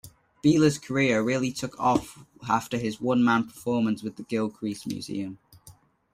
Beeler's career really took off after his one-man performance at the Gilcrease Museum.